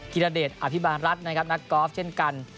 ธิรเดชอภิบาลรัฐนะครับนักกอล์ฟเช่นกัน